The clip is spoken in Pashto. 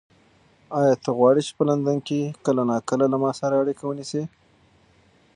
ایا ته غواړې چې په لندن کې کله ناکله له ما سره اړیکه ونیسې؟